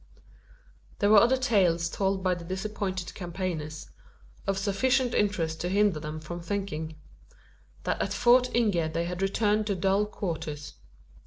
There were other tales told to the disappointed campaigners of sufficient interest to hinder them from thinking: that at Fort Inge they had returned to dull quarters.